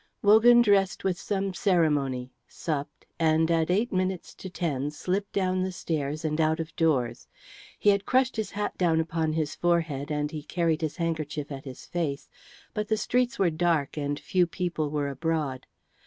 Wogan dressed with some ceremony, supped, and at eight minutes to ten slipped down the stairs and out of doors. He had crushed his hat down upon his forehead and he carried his handkerchief at his face. But the streets were dark and few people were abroad.